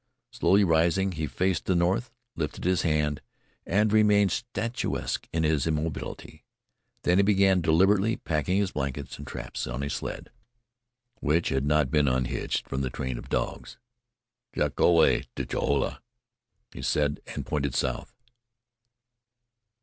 Slowly rising, he faced the north, lifted his hand, and remained statuesque in his immobility. Then he began deliberately packing his blankets and traps on his sled, which had not been unhitched from the train of dogs. "Jackoway ditchen hula," he said, and pointed south.